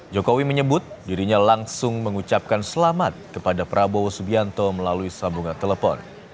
jokowi menyebut dirinya langsung mengucapkan selamat kepada prabowo subianto melalui sambungan telepon